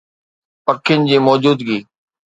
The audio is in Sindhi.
پکين جي موجودگي